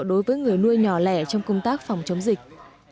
đối với người nuôi nhỏ lẻ trong công tác phòng chống dịch